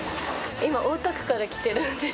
今、大田区から来てるんです。